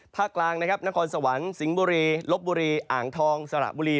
กลางนะครับนครสวรรค์สิงห์บุรีลบบุรีอ่างทองสระบุรี